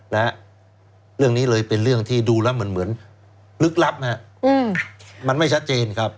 และเรื่องนี้เลยเป็นเรื่องที่ดูแล้วเหมือนลึกลับมันไม่ชัดเจนครับ